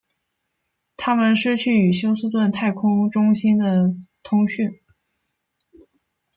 他们失去与休斯顿太空中心的通讯。